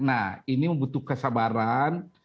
nah ini membutuhkan kesabaran